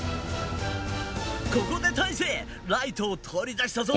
ここでたいせいライトを取り出したぞ！